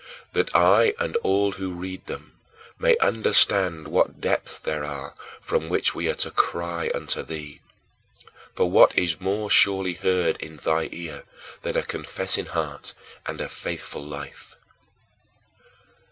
That I and all who read them may understand what depths there are from which we are to cry unto thee. For what is more surely heard in thy ear than a confessing heart and a faithful life?